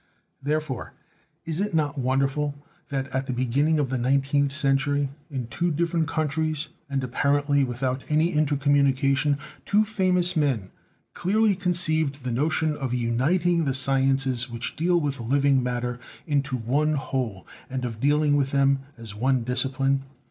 Therefore, it is not wonderful that, at the begin ning of the nineteenth century, in two different countries, and apparently without any intercommunication, two famous men clearly conceived the notion of uniting the sciences which deal with living matter into one whole, and of dealing with them as one discipline.